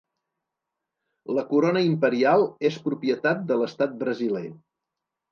La Corona Imperial és propietat de l'Estat brasiler.